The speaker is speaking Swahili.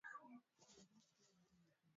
wanapata fedha kupitia ile njia ya